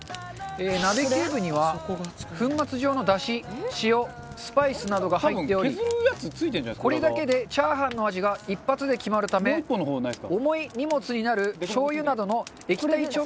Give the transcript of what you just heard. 鍋キューブには、粉末状の出汁塩、スパイスなどが入っておりこれだけでチャーハンの味が一発で決まるため重い荷物になる、しょう油などの液体調味料は不要です。